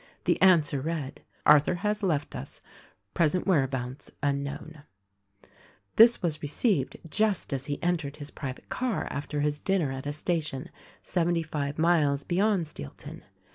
The answer read: "Arthur has left us— present where abouts unknown." 138 THE RECORDING ANGEL This was received just as he entered his private car after his dinner at a station seventy five miles beyond Steel ton.